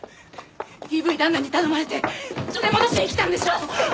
ＤＶ旦那に頼まれて連れ戻しに来たんでしょ！